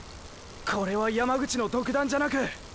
これは山口の独断じゃなく。